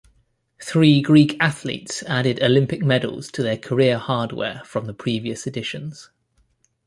Three Greek athletes added Olympic medals to their career hardware from the previous editions.